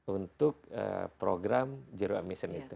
untuk program zero emission itu